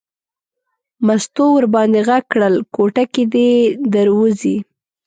مستو ور باندې غږ کړل کوټه کې دی در وځي.